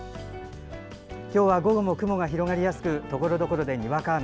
今日は午後も雲が広がりやすくところどこでにわか雨。